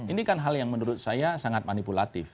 ini kan hal yang menurut saya sangat manipulatif